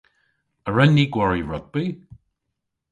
A wren ni gwari rugbi?